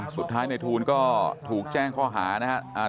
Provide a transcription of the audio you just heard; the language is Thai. สุดท้ายในทูลก็ถูกแจ้งข้อหานะครับ